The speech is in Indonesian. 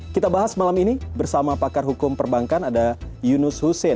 kita bahas malam ini bersama pakar hukum perbankan ada yunus hussein